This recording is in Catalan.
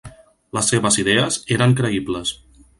Les seves idees eren creïbles.